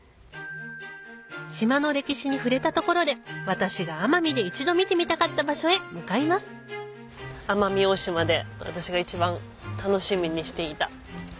島の歴史に触れたところで私が奄美で一度見てみたかった場所へ向かいます奄美大島で私が。